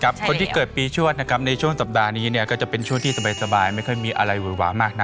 คนที่เกิดปีชวดนะครับในช่วงสัปดาห์นี้เนี่ยก็จะเป็นช่วงที่สบายไม่ค่อยมีอะไรหวือหวามากนะ